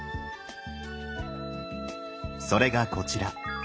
それがこちら。